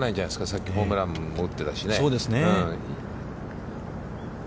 さっきホームランも打ってたしね。